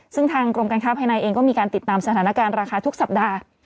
ซึ่งทางกรมการค้าภายในเองก็มีการติดตามสถานการณ์ราคาทุกสัปดาห์